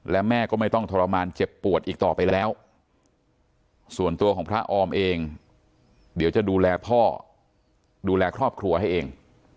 และแม่ก็ไม่ต้องทรมานเจ็บปวดอีกต่อไปแล้วส่วนตัวของพระออมเองเดี๋ยวจะดูแลพ่อดูแลครอบครัวให้เอง